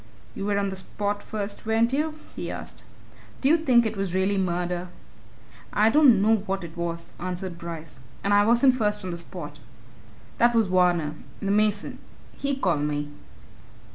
"You were on the spot first, weren't you?" he asked: "Do you think it really was murder?" "I don't know what it was," answered Bryce. "And I wasn't first on the spot. That was Varner, the mason he called me."